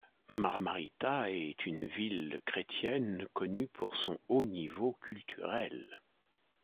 Marmarita est une ville chrétienne connue pour son haut niveau culturel.